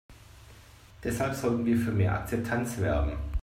Deshalb sollten wir für mehr Akzeptanz werben.